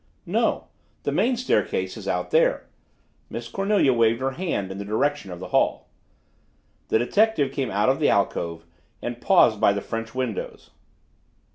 "No, the main staircase is out there," Miss Cornelia waved her hand in the direction of the hall. The detective came out of the alcove and paused by the French windows.